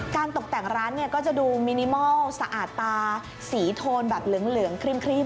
ตกแต่งร้านเนี่ยก็จะดูมินิมอลสะอาดตาสีโทนแบบเหลืองครีม